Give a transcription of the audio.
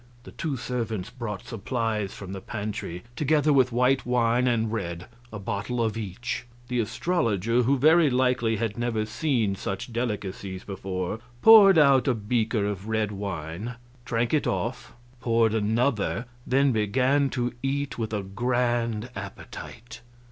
The two servants brought supplies from the pantry, together with white wine and red a bottle of each. The astrologer, who very likely had never seen such delicacies before, poured out a beaker of red wine, drank it off, poured another, then began to eat with a grand appetite.